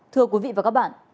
thưa quý vị và các bạn